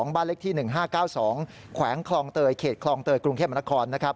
บ้านเลขที่๑๕๙๒แขวงคลองเตยเขตคลองเตยกรุงเทพมนคร